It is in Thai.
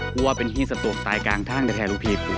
กูว่าเป็นฮีนสตวงตายกลางทางแต่แทนรูปพี่กู